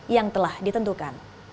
yang telah ditentukan